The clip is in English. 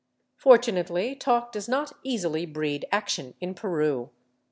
Fortunately talk does not easily breed action in Peru.